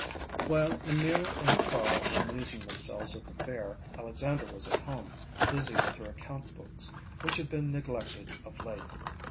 X While Emil and Carl were amusing themselves at the fair, Alexandra was at home, busy with her account books, which had been neglected of late.